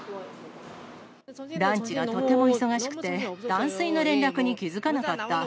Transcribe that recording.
ランチがとても忙しくて、断水の連絡に気付かなかった。